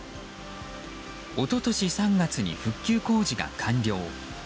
一昨年３月に復旧工事が完了。